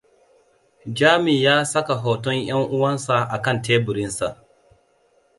Jami ya saka hoton yan uwansa a kan teburinsa.